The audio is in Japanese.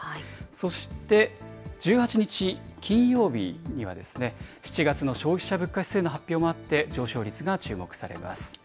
そして１８日金曜日にはですね、７月の消費者物価指数の発表もあって、上昇率が注目されます。